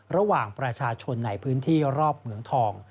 ระหว่างประชาชนในพื้นที่รอบเหมืองทอง